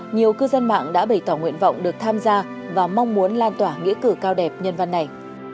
nhiều cư dân mạng đã bày tỏ nguyện vọng được tham gia và mong muốn lan tỏa nghĩa cử cao đẹp nhân văn này